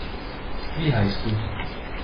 Wie heißt du?